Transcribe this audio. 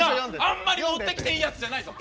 あんまり持ってきていいやつじゃないぞ。